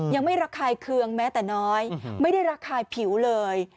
ระคายเคืองแม้แต่น้อยไม่ได้ระคายผิวเลย